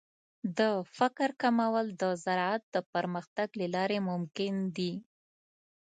د فقر کمول د زراعت د پرمختګ له لارې ممکن دي.